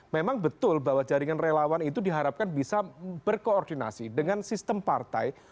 memang betul bahwa jaringan relawan itu diharapkan bisa berkoordinasi dengan sistem partai